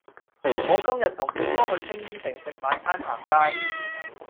我今日同表哥去青衣城食晚餐行街